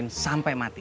gua lupain sampe mati